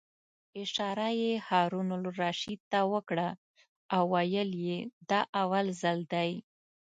اشاره یې هارون الرشید ته وکړه او ویې ویل: دا اول ځل دی.